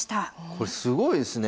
これすごいですね。